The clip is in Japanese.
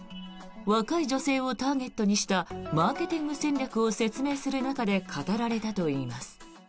若い女性をターゲットにしたマーケティング戦略を説明する中で語られたといいます。